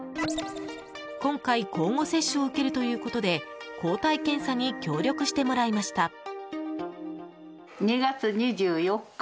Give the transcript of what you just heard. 今回、交互接種を受けるということで抗体検査に協力してもらいました。